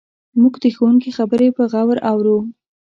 موږ د ښوونکي خبرې په غور اورو.